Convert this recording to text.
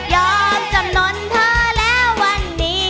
จำนวนเธอแล้ววันนี้